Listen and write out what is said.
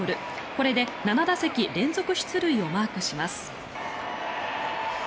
これで７打席連続出塁をマークします。